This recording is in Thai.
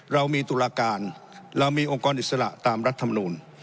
เรามีตุลาการเรามีองค์กรอิสระตามรัฐมนูล